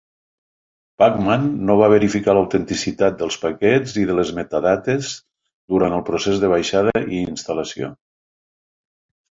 Pacman no va verificar l'autenticitat dels paquets i les metadades durant el procés de baixada i instal·lació.